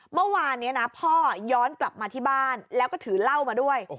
เมื่อวานนี้นะพ่อย้อนกลับมาที่บ้านแล้วก็ถือเหล้ามาด้วย